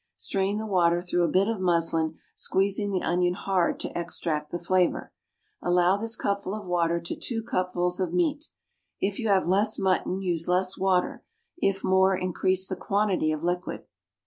Strain the water through a bit of muslin, squeezing the onion hard to extract the flavor. Allow this cupful of water to two cupfuls of meat. If you have less mutton use less water; if more increase the quantity of liquid.